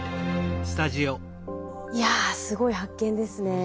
いやすごい発見ですね。